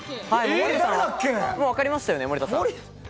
もう分かりましたよね、森田さん。